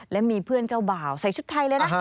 และมีเพื่อนเจ้าบ่าวใส่ชุดไทยเลยนะ